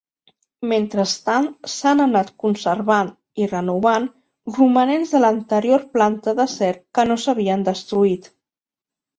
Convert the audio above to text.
Mentrestant s'han anat conservant i renovant romanents de l'anterior planta d'acer que no s'havien destruït.